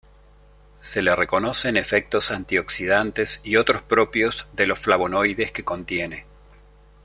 Se le reconocen efectos antioxidantes y otros propios de los flavonoides que contiene.